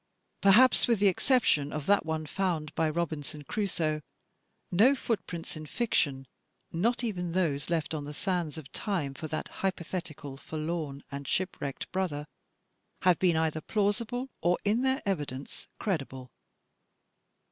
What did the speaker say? Perhaps with the exception of that one foimd by Robinson Crusoe, no footprints in fiction, — ^not even those left on the sands of time for that hypothetical forlorn and shipwrecked brother, — have been either plausible or, in their evidence, credible.